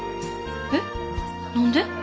えっ何で？